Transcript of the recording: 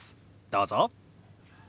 どうぞ。